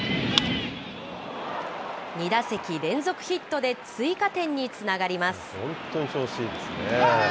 ２打席連続ヒットで追加点につながります。